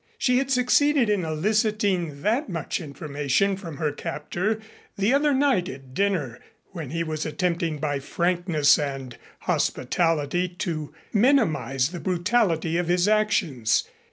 She had succeeded in eliciting that much information from her captor the other night at dinner when he was attempting by frankness and hospitality to minimize the brutality of his actions.